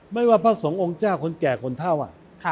ไม่ว่าพระสงฆ์องค์เจ้าคนแก่คนเท่า